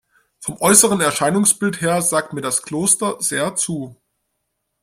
Vom äußeren Erscheinungsbild her sagt mir das Kloster sehr zu.